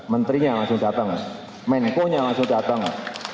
menterinya langsung datang menko nya langsung datang